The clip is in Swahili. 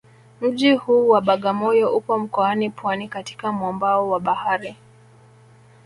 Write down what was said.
Mji huu wa Bagamoyo upo mkoani Pwani katika mwambao wa bahari